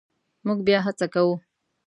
مونږ بیا هڅه کوو